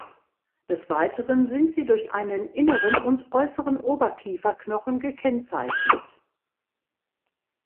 Des Weiteren sind sie durch einen inneren und äußeren Oberkieferknochen gekennzeichnet.